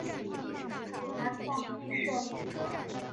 南宋亦设此科。